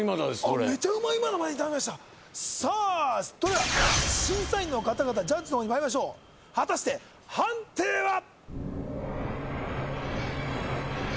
それでは審査員の方々ジャッジのほうにまいりましょう果たして判定は？